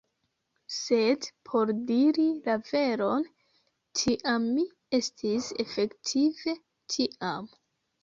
Sed, por diri la veron, tia mi estis efektive tiam!